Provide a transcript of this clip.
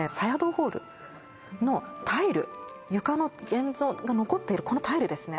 ホールのタイル床の現存が残っているこのタイルですね